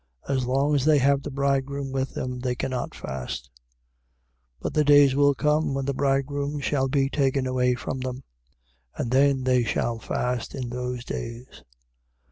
As long as they have the bridegroom with them, they cannot fast. 2:20. But the days will come when the bridegroom shall be taken away from them: and then they shall fast in those days.